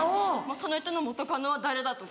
その人の元カノは誰だとか。